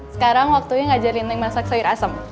sekarang waktunya ngajarin masak sayur asem